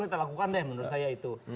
kita lakukan deh menurut saya itu